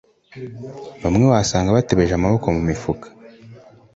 bamwe wasangaga batebeje amaboko mu mifu